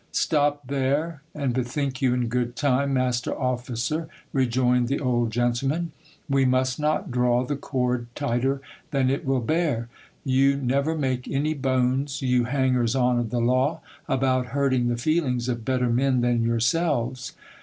Stop there, and bethink you in good time, master officer, rejoined the old gentleman ; we must not draw the cord tighter than it will bear. You never make any bones, HISTOR Y OF DON RAPHAEL. 1 79 you hangers on of the law, about hurting the feelings of better men than your selves.